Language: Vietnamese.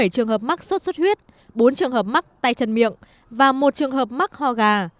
bảy trường hợp mắc sốt xuất huyết bốn trường hợp mắc tay chân miệng và một trường hợp mắc ho gà